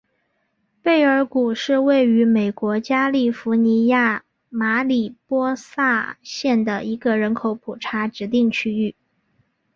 贝尔谷是位于美国加利福尼亚州马里波萨县的一个人口普查指定地区。